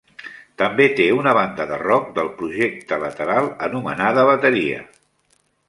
També té una banda de rock del projecte lateral anomenada bateria.